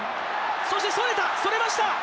そしてそれた、それました！